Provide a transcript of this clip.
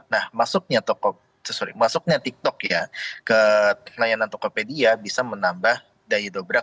nah masuknya masuknya tiktok ya ke layanan tokopedia bisa menambah daya dobrak